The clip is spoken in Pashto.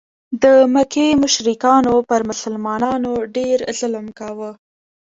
د مکې مشرکانو پر مسلمانانو ډېر ظلم کاوه.